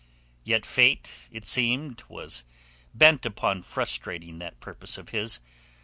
Yet fate it seemed was bent upon frustrating that purpose of his.